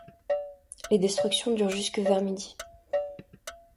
Les destructions durent jusque vers midi.